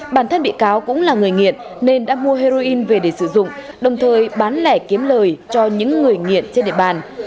bản thân bị cáo cũng là người nghiện nên đã mua heroin về để sử dụng đồng thời bán lẻ kiếm lời cho những người nghiện trên địa bàn